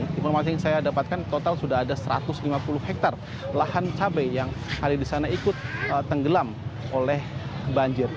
informasi yang saya dapatkan total sudah ada satu ratus lima puluh hektare lahan cabai yang ada di sana ikut tenggelam oleh banjir